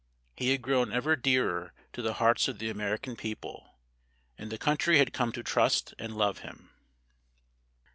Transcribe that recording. He had grown ever dearer to the hearts of the American people, and the country had come to trust and love him.